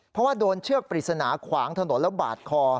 เพราะว่าโดนเชือกปริศนาขวางถนนแล้วบาดคอ